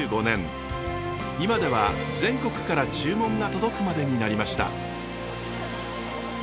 今では全国から注文が届くまでになりました。